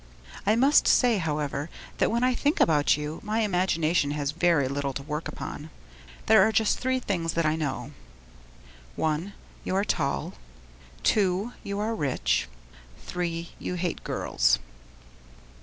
I must say, however, that when I think about you, my imagination has very little to work upon. There are just three things that I know: I. You are tall. II. You are rich. III. You hate girls.